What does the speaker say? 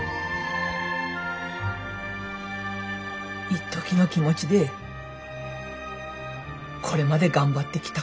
いっときの気持ちでこれまで頑張ってきた